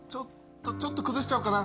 ちょっと崩しちゃおうかな。